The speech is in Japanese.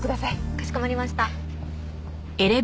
かしこまりました。